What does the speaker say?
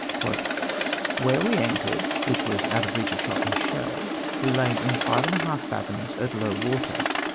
"Where we anchored, which was out of the reach of shot and shell, we lay in five and a half fat! loms at lotv water.